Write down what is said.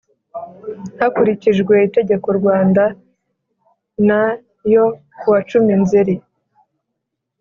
Hakurikijwe itegeko Rwanda n yo kuwa cumi nzeri